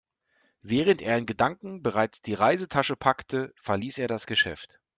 Während er in Gedanken bereits die Reisetasche packte, verließ er das Geschäft.